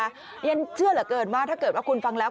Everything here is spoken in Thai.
ฉันเชื่อเหลือเกินว่าถ้าเกิดว่าคุณฟังแล้ว